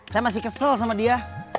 saya masih kesel sama dia